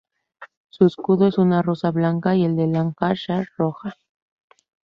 Su escudo es una rosa blanca, y el de Lancashire roja.